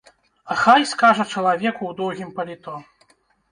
Хай скажа чалавеку ў доўгім паліто.